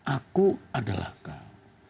aku adalah kau